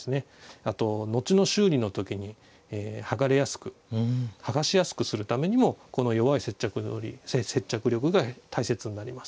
あと後の修理の時に剥がれやすく剥がしやすくするためにもこの弱い接着力が大切になります。